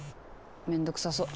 めんどくさそう。